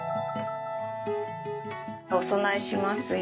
お供えしますよ。